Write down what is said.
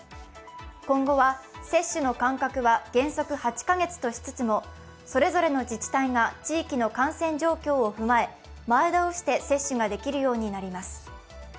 今後は接種の間隔は原則８カ月としつつも、それぞれの自治体が地域の感染状況を踏まえ、前倒して接種ができるようになります。